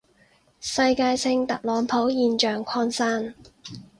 世界性特朗普現象擴散